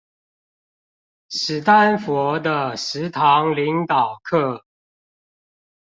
史丹佛的十堂領導課